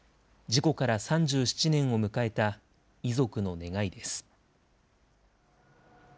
事故から３７年を迎えた遺族の願いです。